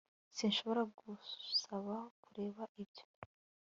Sinshobora kugusaba kureka ibyo